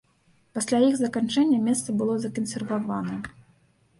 Пасля іх заканчэння месца было закансервавана.